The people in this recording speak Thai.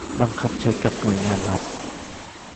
บังคับใช้กับหน่วยงานรัฐ